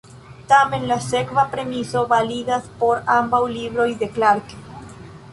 Tamen, la sekva premiso validas por ambaŭ libroj de Clarke.